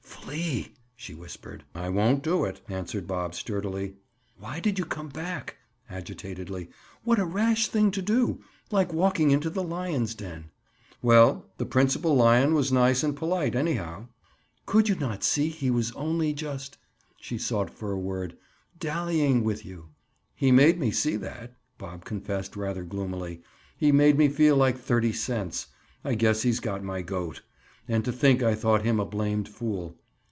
"Flee!" she whispered. "I won't do it," answered Bob sturdily. "Why did you come back?" Agitatedly, "What a rash thing to do! Like walking into the lions' den." "Well, the principal lion was nice and polite, anyhow." "Could you not see he was only just"—she sought for a word—"dallying with you?" "He made me see that," Bob confessed rather gloomily. "He made me feel like thirty cents. I guess he's got my goat. And to think I thought him a blamed fool.